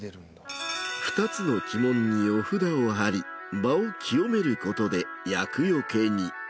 ２つの鬼門にお札を貼り場を清めることで厄除けに。